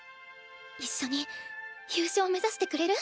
一緒に優勝目指してくれる？